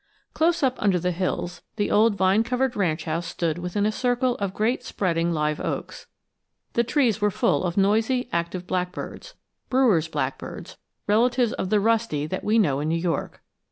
CLOSE up under the hills, the old vine covered ranch house stood within a circle of great spreading live oaks. The trees were full of noisy, active blackbirds Brewer's blackbirds, relatives of the rusty that we know in New York.